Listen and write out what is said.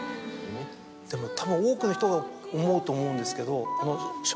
たぶん多くの人が思うと思うんですけど。